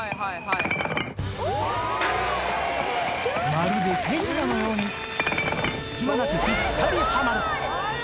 まるで手品のように、隙間なくぴったりはまる。